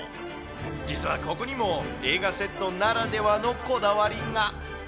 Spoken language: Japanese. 実はここにも映画セットならではのこだわりが。